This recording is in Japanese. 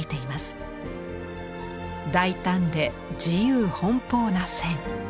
大胆で自由奔放な線。